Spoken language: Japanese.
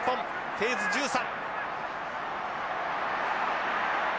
フェーズ１３。